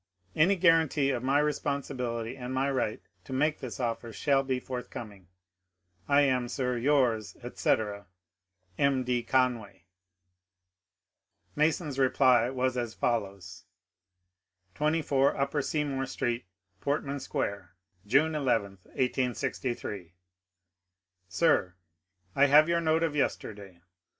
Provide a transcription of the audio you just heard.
Any guarantee of my responsibility and my right to make this offer shall be forthcoming. I am, sir, yours, etc., M. D. Convay. Mason's reply was as follows :— 24 Upper Seymour Street, Portman Square, June 11, 1863. Sir, — I have your note of yesterday.